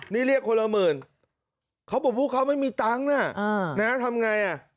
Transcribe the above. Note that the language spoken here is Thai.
นี่เรียกคนละหมื่นเขาบอกพวกเขาไม่มีตังค์นะทำไงอ่ะ